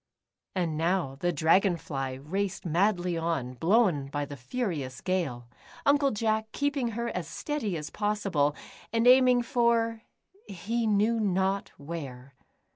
And now the Dragon fly raced madly on, blown by the furious gale, Uncle Jack keeping her as steady as possible, and aiming for — he knew not where.